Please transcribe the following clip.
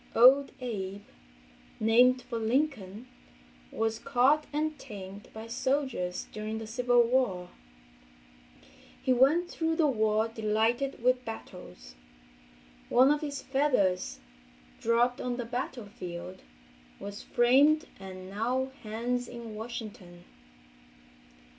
"Old Abe"—named for Lincoln—was caught and tamed by soldiers during the civil war. He went through the war delighted with battles. One of his feathers, dropped on the battlefield, was framed and now hangs in Washington.